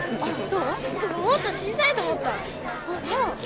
僕もっと小さいと思った。